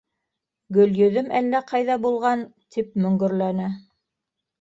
— Гөлйөҙөм әллә ҡайҙа булған, — тип мөңгөрләне.